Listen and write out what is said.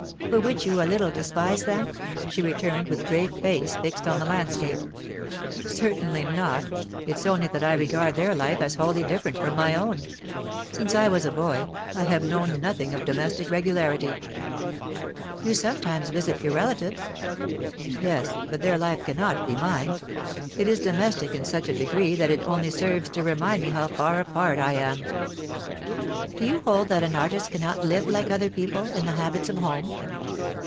"For which you a little despise them?" she returned, with grave face fixed on the landscape. "Certainly not. It's only that I regard their life as wholly different from my own. Since I was a boy, I have known nothing of domestic regularity." "You sometimes visit your relatives?" "Yes. But their life cannot be mine. It is domestic in such a degree that it only serves to remind me how far apart I am." "Do you hold that an artist cannot live like other people, in the habits of home?"